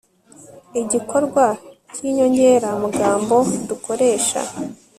igikorwa cyi nyongera amagambo dukoresha